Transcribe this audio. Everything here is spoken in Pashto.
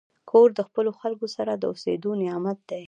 کور د خپلو خلکو سره د اوسېدو نعمت دی.